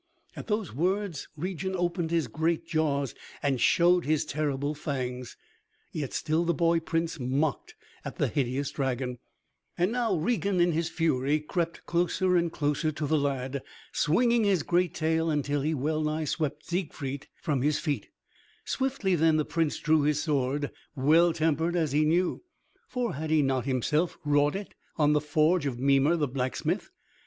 At those words Regin opened his great jaws, and showed his terrible fangs. Yet still the boy Prince mocked at the hideous dragon. And now Regin in his fury crept closer and closer to the lad, swinging his great tail, until he well nigh swept Siegfried from his feet. [Illustration: THE HERO'S SHINING SWORD PIERCED THE HEART OF THE MONSTER.] Swiftly then the Prince drew his sword, well tempered as he knew, for had not he himself wrought it in the forge of Mimer the blacksmith?